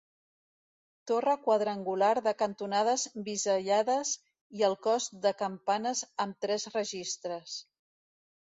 Torre quadrangular de cantonades bisellades i el cos de campanes amb tres registres.